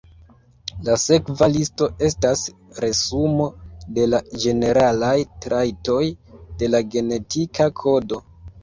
La sekva listo estas resumo de la ĝeneralaj trajtoj de la genetika kodo.